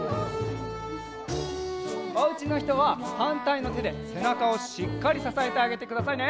おうちのひとははんたいのてでせなかをしっかりささえてあげてくださいね。